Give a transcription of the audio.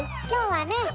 今日はね